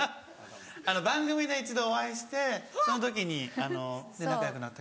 あの番組で一度お会いしてその時に仲よくなった。